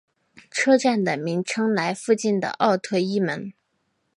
车站的名称来附近的奥特伊门。